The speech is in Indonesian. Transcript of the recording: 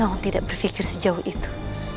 orang tidak berpikir sejauh itu